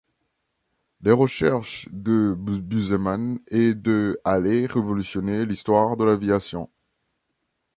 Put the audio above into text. Les recherches de Busemann et de allaient révolutionner l'histoire de l'aviation.